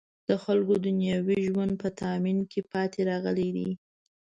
د خلکو دنیوي ژوند په تأمین کې پاتې راغلی دی.